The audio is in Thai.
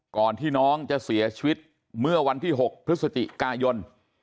ก่อนที่น้องจะเสียชีวิตเมื่อวันที่๖พฤศจิกายน